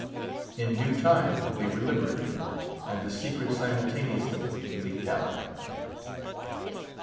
In due time they were liberated, and the secret simultaneously leaked out.